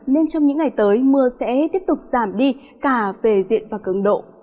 nên trong những ngày tới mưa sẽ tiếp tục giảm đi cả về diện và cường độ